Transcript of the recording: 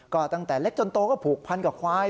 ก็ตั้งแต่เล็กจนโตก็ผูกพันกับควาย